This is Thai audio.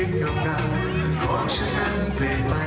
อีกเพลงหนึ่งครับนี้ให้สนสารเฉพาะเลย